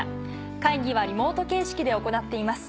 会議はリモート形式で行っています。